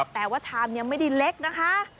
แต่ว่าชามยังไม่ได้เล็กนะคะ